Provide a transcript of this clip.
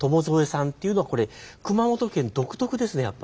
塘添さんっていうのはこれ熊本県独特ですね